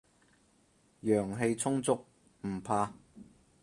陽氣充足，唔怕